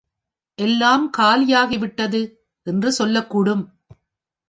எல்லாம் காலியாகிவிட்டது! என்று சொல்லக்கூடும்.